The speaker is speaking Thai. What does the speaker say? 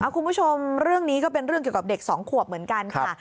คุณผู้ชมเรื่องนี้ก็เป็นเรื่องเกี่ยวกับเด็กสองขวบเหมือนกันค่ะ